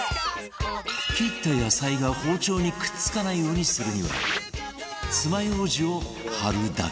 切った野菜が包丁にくっつかないようにするには爪楊枝を貼るだけ